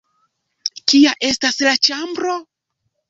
Kia estas la ĉambro?